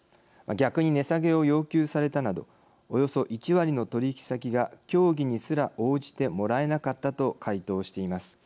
「逆に値下げを要求された」などおよそ１割の取引先が協議にすら応じてもらえなかったと回答しています。